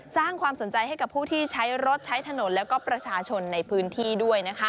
สร้างความสนใจให้กับผู้ที่ใช้รถใช้ถนนแล้วก็ประชาชนในพื้นที่ด้วยนะคะ